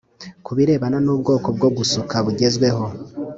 Ku birebana n’ubwoko bwo gusuka bugezweho